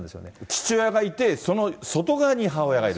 父親がいて、その外側に母親がいる。